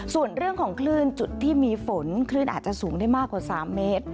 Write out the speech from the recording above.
ส่วนเรื่องของคลื่นจุดที่มีฝนคลื่นอาจจะสูงได้มากกว่า๓เมตร